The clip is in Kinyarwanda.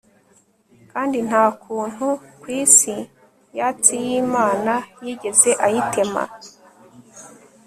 kandi nta kuntu ku isi yatsi y'imana yigeze ayitema